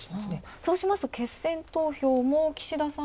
そうしますと決選投票も岸田さん